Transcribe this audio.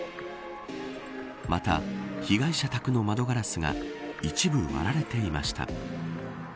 また、被害者宅の窓ガラスが一部割られていました。